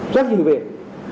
rất nhiều việc